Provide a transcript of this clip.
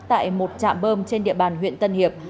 tại một trạm bơm trên địa bàn huyện tân hiệp